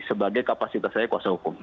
sebagai kapasitas saya kuasa hukum